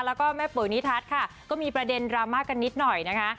แล้วก็แม่ปุ๋ยนิทัศน์ค่ะก็มีประเด็นดราม่ากันนิดหน่อยนะคะ